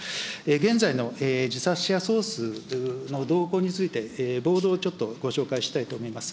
現在の自殺者総数の動向について、ボードをちょっとご紹介したいと思います。